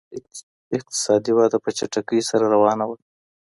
اقتصادي وده په چټکۍ سره روانه وه.